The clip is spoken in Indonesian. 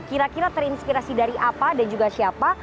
kira kira terinspirasi dari apa dan juga siapa